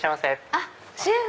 あっシェフ！